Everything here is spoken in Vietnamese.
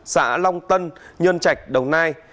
xã long tân nhơn trạch đồng nai